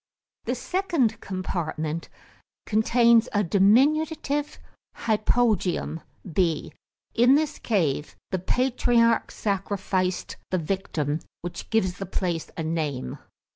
The second compartment contains a diminutive hypogaeum (B). In this cave the patriarch sacrificed the victim, which gives the place a name.